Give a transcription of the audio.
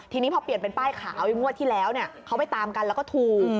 ทีนี้พอเปลี่ยนเป็นป้ายขาวเค้าไปตามกันแล้วรถตู้